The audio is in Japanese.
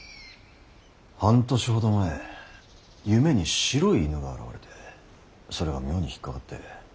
半年ほど前夢に白い犬が現れてそれが妙に引っ掛かって。